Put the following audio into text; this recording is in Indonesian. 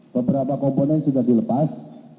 beberapa komponen sudah dilepas